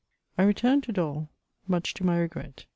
I RETURNED to Dol, much to my regret.